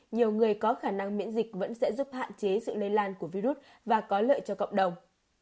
nhiều người có khả năng miễn dịch vẫn sẽ giúp hạn chế sự lây lan của virus và có lợi cho cộng đồng